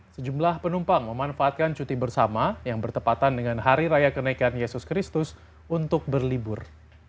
sejumlah penumpang memanfaatkan cuti bersama yang bertepatan dengan hari raya kenaikan yesus kristus untuk berlibur